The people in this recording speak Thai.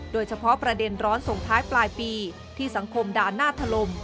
โดยเฉพาะประเด็นร้อนส่งท้ายปลายปีที่สังคมด่าหน้าถล่ม